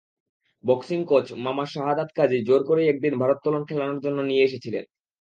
Boxing coach মামা শাহাদাৎ কাজী জোর করেই একদিন ভারোত্তোলন খেলানোর জন্য নিয়ে এসেছিলেন।